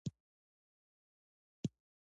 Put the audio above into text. د سږو د روغتیا لپاره له لوګي لرې اوسئ